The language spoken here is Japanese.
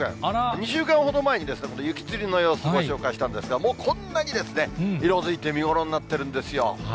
２週間ほど前に雪つりの様子、ご紹介したんですが、もうこんなに色づいて見頃になってるんですよ。